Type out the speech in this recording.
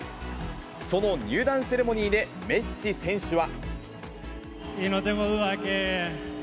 その入団セレモニーでメッシ選手は。